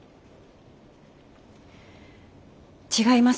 違います。